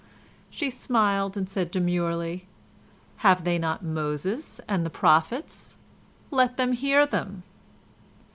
She smiled and said demurely, "Have they not Moses and the prophets? Let them hear them."